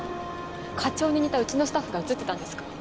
課長に似たうちのスタッフが写ってたんですか？